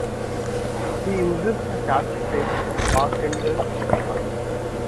He uses the catchphrase, Bartender, Jack!